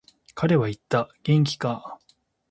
彼は言った、元気か。